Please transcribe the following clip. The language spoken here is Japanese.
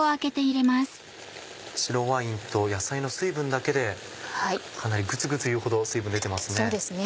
白ワインと野菜の水分だけでかなりグツグツいうほど水分出てますね。